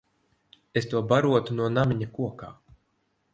Es to barotu no namiņa kokā.